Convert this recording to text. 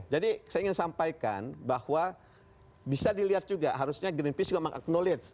jadi saya ingin sampaikan bahwa bisa dilihat juga harusnya greenpeace juga mengaknowledge